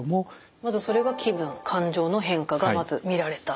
まずはそれが気分・感情の変化がまず見られたと。